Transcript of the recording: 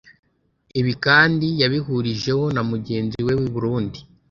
Ibi kandi yabihurijeho na mugenzi we w’i Burundi